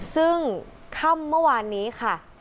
ซึ่งค่ำเมื่อวานนี้ค่ะ